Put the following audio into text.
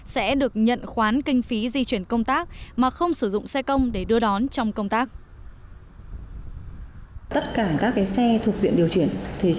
sẽ được nhận khoán kinh phí di chuyển công tác mà không sử dụng xe công để đưa đón trong công tác